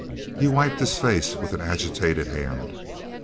He wiped his face with an agitated hand.